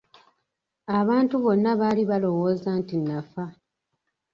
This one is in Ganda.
Abantu bonna baali balowooza nti nafa.